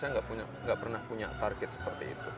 saya nggak pernah punya target seperti itu